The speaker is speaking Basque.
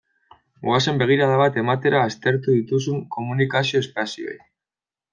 Goazen begirada bat ematera aztertu dituzun komunikazio espazioei.